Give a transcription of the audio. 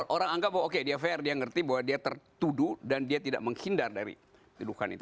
orang anggap bahwa oke dia fair dia ngerti bahwa dia tertuduh dan dia tidak menghindar dari tuduhan itu